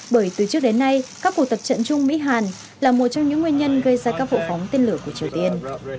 bởi từ trước đến nay các cuộc tập trận chung mỹ hàn là một trong những nguyên nhân gây ra các vụ phóng tên lửa của triều tiên